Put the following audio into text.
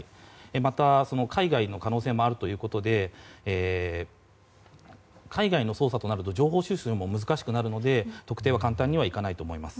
また、海外の可能性もあるということで海外の捜査となると情報収集も難しくなるので特定は簡単にはいかないと思います。